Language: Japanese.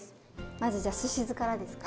まずじゃすし酢からですか。